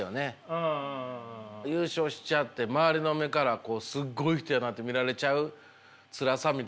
優勝しちゃって周りの目からこうすっごい人やなって見られちゃうつらさみたいなね。